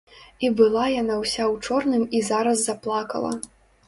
І была яна ўся ў чорным і зараз заплакала.